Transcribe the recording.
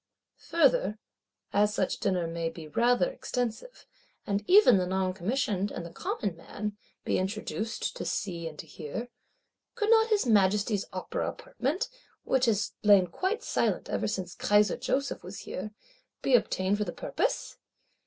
Further, as such Dinner may be rather extensive, and even the Noncommissioned and the Common man be introduced, to see and to hear, could not His Majesty's Opera Apartment, which has lain quite silent ever since Kaiser Joseph was here, be obtained for the purpose?